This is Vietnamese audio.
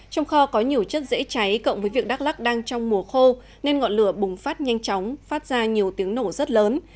trong kho có nhiều chất dễ cháy cộng với việc đắk lắc đang trong mùa khô nên ngọn lửa bùng phát nhanh chóng phát ra nhiều tiếng nổ rất lớn